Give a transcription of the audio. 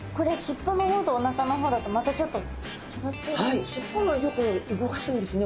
はい尻尾はよく動かすんですね